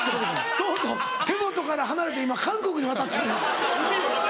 とうとう手元から離れて今韓国に渡ってる。